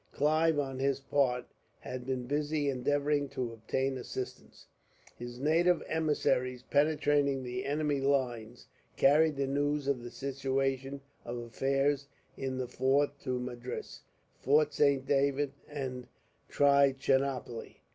Clive, on his part, had been busy endeavouring to obtain assistance. His native emissaries, penetrating the enemy's lines, carried the news of the situation of affairs in the fort to Madras, Fort Saint David, and Trichinopoli.